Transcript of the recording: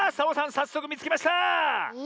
さっそくみつけました！え？